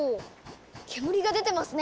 煙が出てますね！